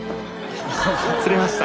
釣れました！